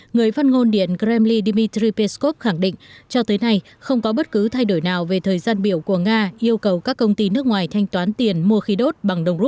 người phát ngôn điện kremli dmitry peskov khẳng định cho tới nay không có bất cứ thay đổi nào về thời gian biểu của nga yêu cầu các công ty nước ngoài thanh toán tiền mua khí đốt bằng đồng rút